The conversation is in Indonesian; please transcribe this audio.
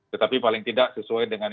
tetapi paling tidak sesuai dengan